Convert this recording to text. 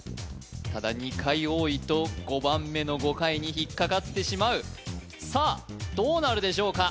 ただ２回多いと５番目の５回に引っかかってしまうさあどうなるでしょうか？